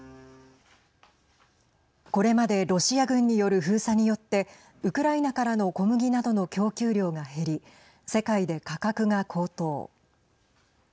これまでロシア軍による封鎖によってウクライナからの小麦などの供給量が減り世界で価格が高騰。